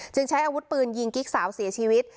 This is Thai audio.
ใช้อาวุธปืนยิงกิ๊กสาวเสียชีวิต